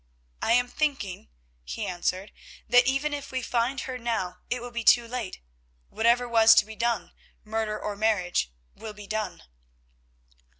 "I am thinking," he answered, "that even if we find her now it will be too late; whatever was to be done, murder or marriage, will be done."